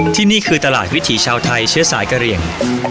ที่นี่คือตลาดวิถีชาวไทยเชื้อสายกะเหลี่ยง